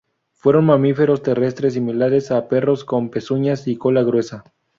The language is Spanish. Fueron mamíferos terrestres similares a perros con pezuñas y cola gruesa.